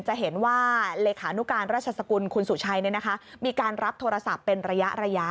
จะเห็นว่าเลขานุการราชสกุลคุณสุชัยมีการรับโทรศัพท์เป็นระยะ